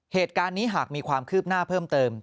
เหตุการณ์นี้หากมีความคืบหน้าเพิ่มเติม